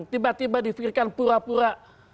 tiba tiba di pikirkan pura pura